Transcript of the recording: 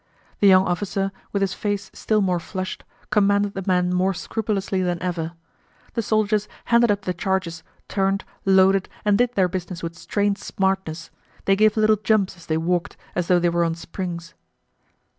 The young officer, with his face still more flushed, commanded the men more scrupulously than ever. The soldiers handed up the charges, turned, loaded, and did their business with strained smartness. They gave little jumps as they walked, as though they were on springs.